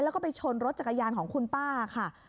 แล้วก็ไปชนรถจักรยานของคุณป้าค่ะ